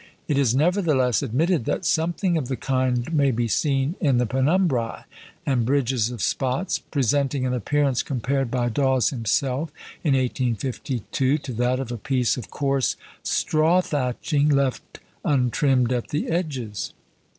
It is, nevertheless, admitted that something of the kind may be seen in the penumbræ and "bridges" of spots, presenting an appearance compared by Dawes himself in 1852 to that of a piece of coarse straw thatching left untrimmed at the edges.